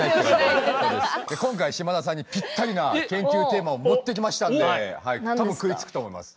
今回島田さんにぴったりな研究テーマを持ってきましたんではい多分食いつくと思います。